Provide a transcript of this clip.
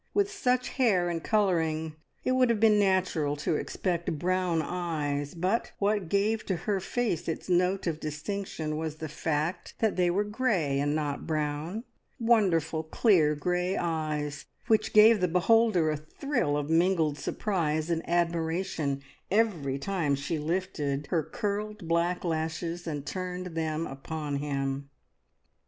With such hair and colouring it would have been natural to expect brown eyes, but what gave to her face its note of distinction was the fact that they were grey, and not brown wonderful clear grey eyes, which gave the beholder a thrill of mingled surprise and admiration every time she lifted her curled black lashes and turned them upon him.